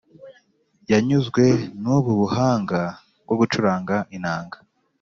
yanyuzwe n’ubu buhanga bwo gucuranga inanga.